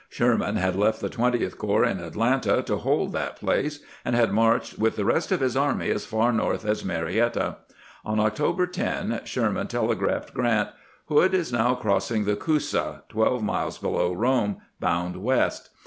Sherman had left the Twentieth Corps in Atlanta to hold that place, and had marched with the rest of his army as far north as Marietta. On October 10 Sherman telegraphed Grant :" Hood is now crossing the Coosa, twelve miles below Rome, bound west.